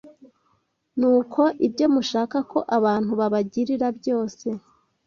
Nuko ibyo mushaka ko abantu babagirira byose